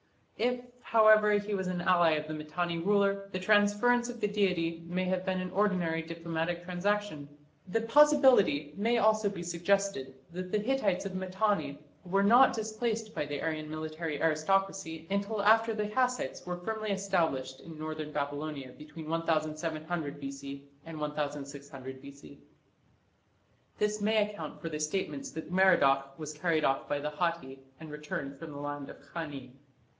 If, however, he was an ally of the Mitanni ruler, the transference of the deity may have been an ordinary diplomatic transaction. The possibility may also be suggested that the Hittites of Mitanni were not displaced by the Aryan military aristocracy until after the Kassites were firmly established in northern Babylonia between 1700 B.C. and 1600 B.C. This may account for the statements that Merodach was carried off by the Hatti and returned from the land of Khani.